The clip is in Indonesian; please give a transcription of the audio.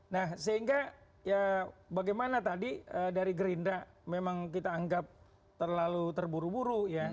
nah sehingga ya bagaimana tadi dari gerindra memang kita anggap terlalu terburu buru ya